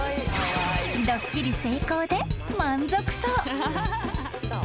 ［ドッキリ成功で満足そう］